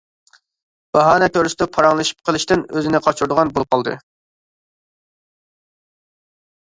باھانە كۆرسىتىپ پاراڭلىشىپ قىلىشتىن ئۆزىنى قاچۇرىدىغان بولۇپ قالدى.